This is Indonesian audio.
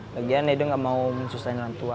lagian edo tidak mau menyusahkan orang tua